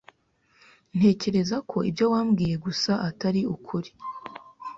Ntekereza ko ibyo wambwiye gusa atari ukuri.